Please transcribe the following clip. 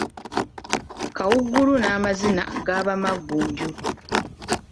Kawuugulu n'amazina g'Abamaggunju.